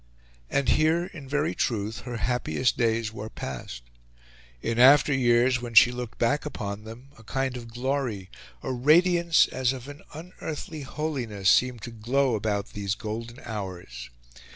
And here, in very truth, her happiest days were passed. In after years, when she looked back upon them, a kind of glory, a radiance as of an unearthly holiness, seemed to glow about these golden hours.